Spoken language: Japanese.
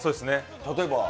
例えば？